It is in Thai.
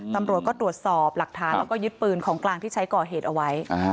ตำรวจก็ตรวจสอบหลักฐานแล้วก็ยึดปืนของกลางที่ใช้ก่อเหตุเอาไว้